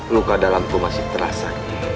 luka dalamku masih terasa